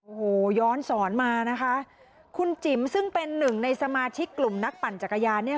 โอ้โหย้อนสอนมานะคะคุณจิ๋มซึ่งเป็นหนึ่งในสมาชิกกลุ่มนักปั่นจักรยานเนี่ย